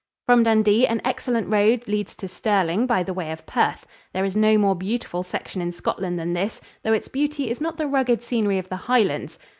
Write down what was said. From Dundee an excellent road leads to Stirling by the way of Perth. There is no more beautiful section in Scotland than this, though its beauty is not the rugged scenery of the Highlands.